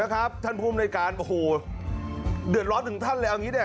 อ๋อนะครับท่านผู้บริการโอ้โหเดือดร้อนถึงท่านเลยเอาอย่างงี้ได้